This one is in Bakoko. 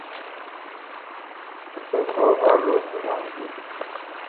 Sɔtɔɔ aloo muŋ a ngin.